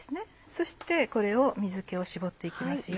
そしてこれを水気を絞って行きますよ。